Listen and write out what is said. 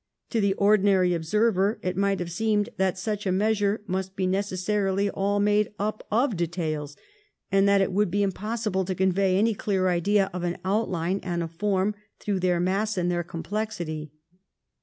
To the ordinary observer it might have seemed that such a measure must be necessarily all made up of details, and that it would be impossible to convey any clear idea of an outline and a form through their mass and their complexity.